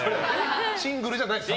シングルじゃないですね